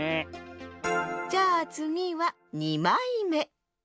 じゃあつぎは２まいめ。